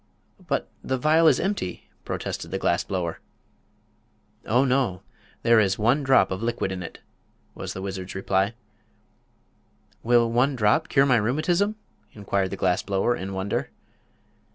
"But the vial is empty!" protested the glass blower. "Oh, no; there is one drop of liquid in it," was the wizard's reply. "Will one drop cure my rheumatism?" inquired the glass blower, in wonder.